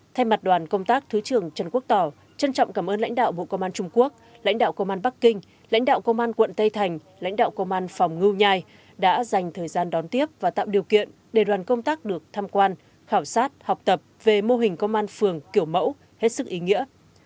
thay mặt đoàn công tác thứ trưởng trần quốc tỏ trân trọng cảm ơn lãnh đạo bộ công an trung quốc lãnh đạo công an bắc kinh lãnh đạo công an quận tây thành lãnh đạo công an phòng ngư nhai đã dành thời gian đón tiếp và tạo điều kiện để đoàn công tác được tham quan khảo sát học tập về mô hình công an phường kiểu mẫu hết sức ý nghĩa